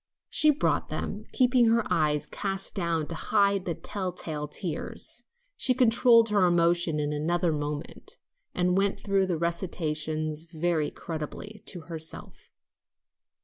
She brought them, keeping her eyes cast down to hide the tell tale tears. She controlled her emotion in another moment, and went through the recitations very creditably to herself.